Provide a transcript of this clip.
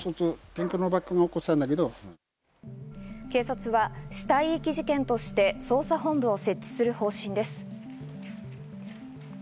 警察は死体遺棄事件として捜査本部を設置する方針です。